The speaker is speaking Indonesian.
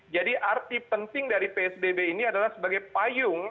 jadi arti penting dari psbb ini adalah sebagai payung